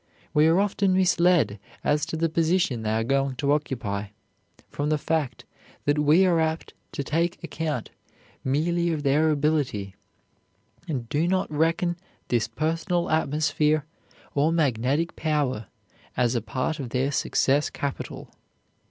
We are often misled as to the position they are going to occupy from the fact that we are apt to take account merely of their ability, and do not reckon this personal atmosphere or magnetic power as a part of their success capital.